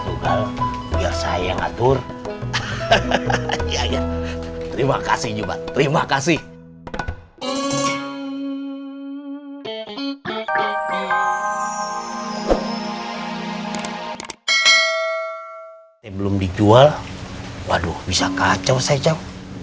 tunggal biar saya ngatur terima kasih juga terima kasih belum dijual waduh bisa kacau sejak